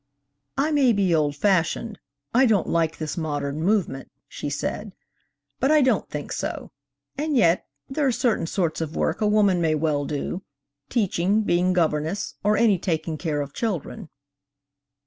'I may be old fash ioned; I don't like this modern movement,' she said, 'but I don't think so; and yet, there are certain sorts of work a woman may well do; teaching, being governess, or any taking care of children.'